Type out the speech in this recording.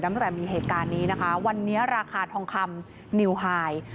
ตั้งแต่มีเหตุการณ์นี้นะคะวันนี้ราคาทองคำนิวไฮ